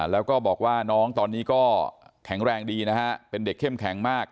แล้วก็บอกว่าน้องตอนนี้ก็แข็งแรงดีนะฮะเป็นเด็กเข้มแข็งมาก